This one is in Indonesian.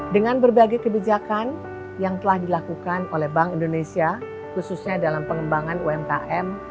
dengan berbagai kebijakan yang telah dilakukan oleh bank indonesia khususnya dalam pengembangan umkm